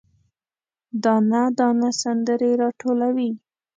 دانه، دانه سندرې، راټولوي